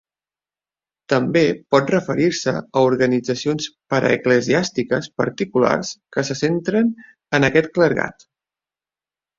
També pot referir-se a organitzacions paraeclesiàstiques particulars que se centren en aquest clergat.